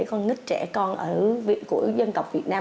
con nít trẻ con của dân tộc việt nam